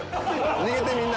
逃げてみんな！